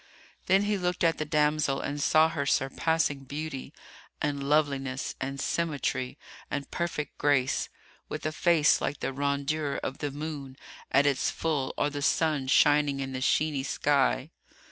Then he looked at the damsel and saw her surpassing beauty and loveliness and symmetry and perfect grace, with a face like the rondure of the moon at its full or the sun shining in the sheeny sky.